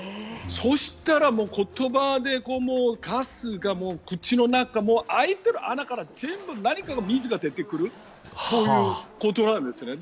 そうしたら、もう言葉でガスが口の中空いている穴から全部何から水が出てくるということなんですね。